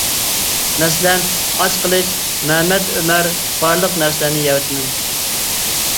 مەسىلەن: ئاچ قېلىش مەمەت ئۆمەر بارلىق نەرسىلەرنى يەۋېتىمەن!